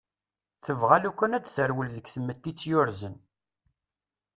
Tebɣa alukan ad terwel deg tmetti itt-yurzen.